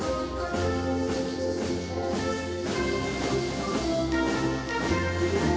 pemenangan peleg dan pilpres dua ribu dua puluh empat